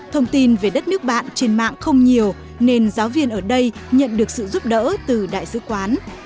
thông tin về đất nước bạn trên mạng không nhiều nên giáo viên ở đây nhận được sự giúp đỡ từ đại sứ quán